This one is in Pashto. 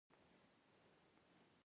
د کابل په خاک جبار کې د سمنټو مواد شته.